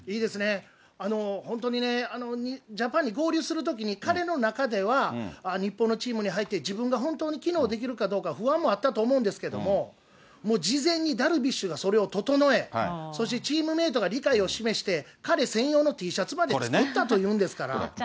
本当にね、ジャパンに合流するときに、彼の中では、日本のチームに入って、自分が本当に機能できるかどうか、不安もあったと思うんですけれども、もう事前にダルビッシュがそれを整え、そしてチームメートが理解を示して、彼専用のＴシャツまで作ったというんですから。